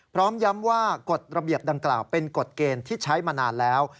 พร้อมย้ำว่ากฎระเบียบดังกล่าวเป็นกฎเกณฑ์ที่ใช้มานานแล้ว